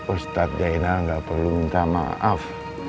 ustaz jainal gak perlu minta maaf